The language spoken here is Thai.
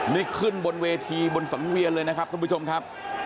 นี่ขึ้นบนเวทีบนสังเวียนเลยนะครับทุกผู้ชมครับ